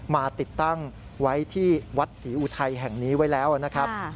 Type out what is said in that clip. มาติดตั้งไว้ที่วัดศรีอุทัยแห่งนี้ไว้แล้วนะครับ